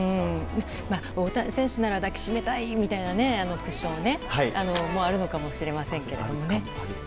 大谷選手なら抱きしめたいクッションというのもあるのかもしれませんけど。